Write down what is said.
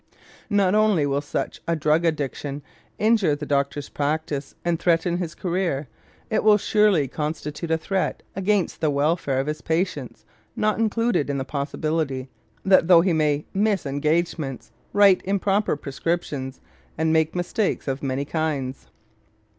Not only will such a drug addiction injure the doctor's practice and threaten his career, but it will surely constitute a threat against the welfare of his patients not included in the possibility that through it he may miss engagements, write improper prescriptions, and make mistakes of many kinds.